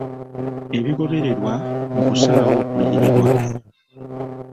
Ebigobererwa mu kusalawo okuliyirirwa.